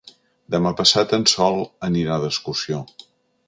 Demà passat en Sol anirà d'excursió.